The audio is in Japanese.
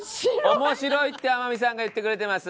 「面白い」って天海さんが言ってくれてます。